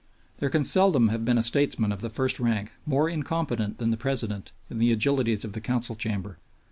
There can seldom have been a statesman of the first rank more incompetent than the President in the agilities of the council chamber.